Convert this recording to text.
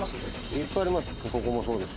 いっぱいあります。